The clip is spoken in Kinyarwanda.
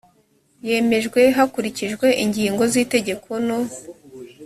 yemejwe hakurikijwe ingingo z itegeko no